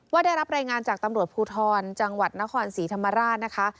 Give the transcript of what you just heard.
ได้รับรายงานจากตำรวจภูทรจังหวัดนครศรีธรรมราชนะคะ